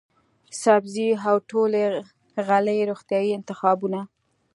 سبزۍ او ټولې غلې روغتیايي انتخابونه،